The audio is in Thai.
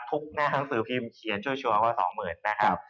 ทุกหน้าคังสือพิมพ์เขียนช่วยชัวร์ว่า๒๐๐๐๐นะครับ